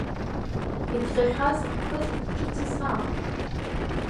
Иҭҟьахьаз ахқәа зегь ҿыц исаахон.